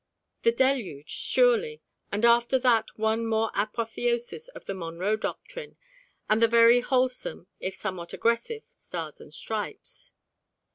The deluge, surely; and after that one more apotheosis of the Monroe Doctrine, and the very wholesome, if somewhat aggressive, Stars and Stripes.